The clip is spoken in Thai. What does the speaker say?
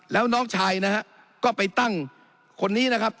แล้วน้องชายนะฮะก็ไปตั้งคนนี้นะครับ